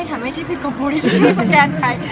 ไม่ค่ะไม่ใช่สิทธิ์กรมพุทธที่จะช่วยสการใคร